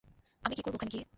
আমি কি করবো ওখানে গিয়ে?